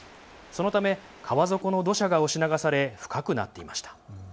そのため川底の土砂が押し流され深くなっていました。